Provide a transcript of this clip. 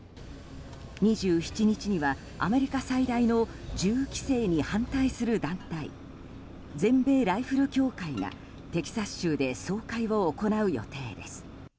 ２７日には、アメリカ最大の銃規制に反対する団体全米ライフル協会がテキサス州で総会を行う予定です。